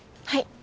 はい。